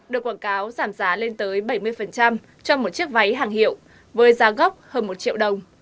được quảng cáo giảm giá lên tới bảy mươi cho một chiếc váy hàng hiệu với giá gốc hơn một triệu đồng